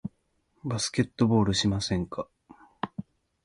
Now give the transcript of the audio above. バスケットボールしませんか？